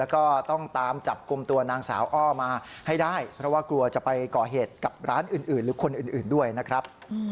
ก็ต้องตามจับกลุ่มตัวนางสาวอ้อมาให้ได้เพราะว่ากลัวจะไปก่อเหตุกับร้านอื่นหรือคนอื่นด้วยนะครับ